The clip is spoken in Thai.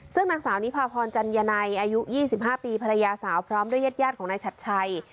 ซึ่งนางสาวนิพพนธ์ฮรรณแจนษ์ยันไนล์อายุ๒๕ปีภรรยาสาวพร้อมด้วยเย็ดย่างของนายฉัดชัย